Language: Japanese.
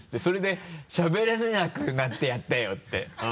それでしゃべれなくなってやったよ！って。